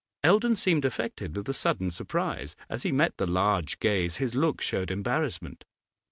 Eldon seemed affected with a sudden surprise; as he met the large gaze his look showed embarrassment.